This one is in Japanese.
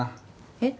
えっ？